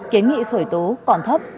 kế nghị khởi tố còn thấp